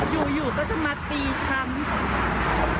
นี่อยู่ก็จะมาตีฉัน